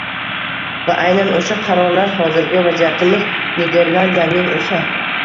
Va aynan o‘sha qarorlar hozirgi vaziyatimiz – Niderlandiyaning o‘sha –